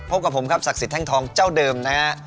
พบกับผมครับศักดิ์สิทธิ์แท่งทองเจ้าเดิมนะฮะ